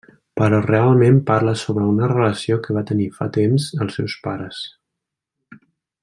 Però realment parla sobre una relació que va tenir fa temps els seus pares.